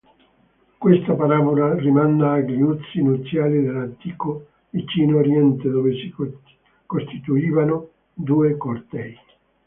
Questa parabola rimanda agli usi nuziali dell'antico Vicino Oriente dove si costituivano due cortei.